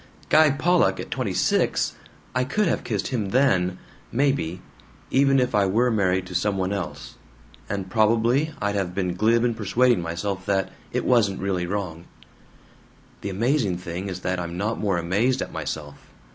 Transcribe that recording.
Guy Pollock at twenty six I could have kissed him then, maybe, even if I were married to some one else, and probably I'd have been glib in persuading myself that 'it wasn't really wrong.' "The amazing thing is that I'm not more amazed at myself.